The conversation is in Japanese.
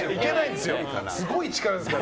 すごい力ですから。